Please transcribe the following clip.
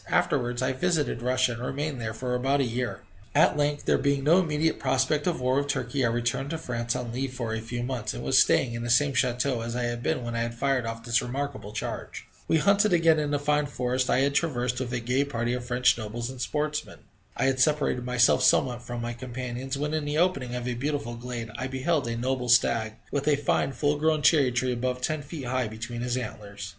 Afterwards I visited Russia, and remained there for about a year. At length, there being no immediate prospect of war with Turkey, I returned to France on leave for a few months, and was staying in the same chateau as I had been when I had fired off this remarkable charge. We hunted again in the fine forest I had then traversed, with a gay party of French nobles and sportsmen. I had separated myself somewhat from my companions, when, in the opening of a beautiful glade, I beheld a noble stag, with a fine full grown cherry tree above ten feet high between his antlers.